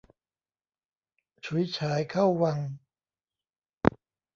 ฉุยฉายเข้าวัง